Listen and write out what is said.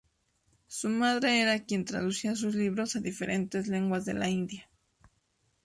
Su madre era quien traducía su libros a diferentes lenguas de la India.